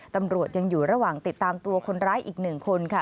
ตำรวจยังอยู่ระหว่างติดตามตัวคนร้ายอีก๑คนค่ะ